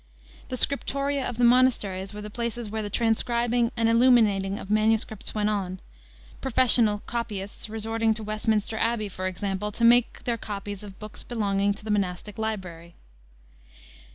The scriptoria of the monasteries were the places where the transcribing and illuminating of MSS. went on, professional copyists resorting to Westminster Abbey, for example, to make their copies of books belonging to the monastic library.